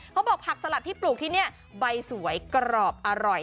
ผักสลัดที่ปลูกที่นี่ใบสวยกรอบอร่อย